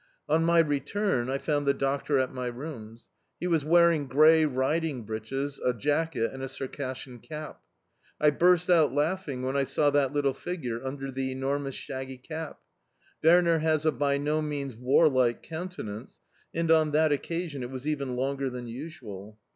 On my return, I found the doctor at my rooms. He was wearing grey riding breeches, a jacket and a Circassian cap. I burst out laughing when I saw that little figure under the enormous shaggy cap. Werner has a by no means warlike countenance, and on that occasion it was even longer than usual.